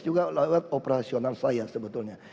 juga lewat operasional saya sebetulnya